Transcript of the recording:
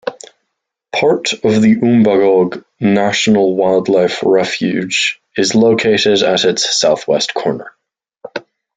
Part of the Umbagog National Wildlife Refuge is located at its southwest corner.